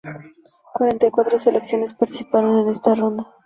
Cuarenta y cuatro selecciones participarán en esta ronda.